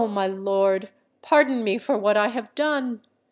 my lord, pardon me for what I have done!